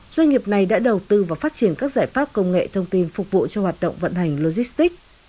doanh nghiệp này đã đầu tư và phát triển các giải pháp công nghệ thông tin phục vụ cho hoạt động vận hành logistics